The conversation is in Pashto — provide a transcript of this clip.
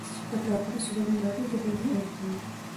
د پلار په هڅو زموږ راتلونکی خوندي او روښانه دی.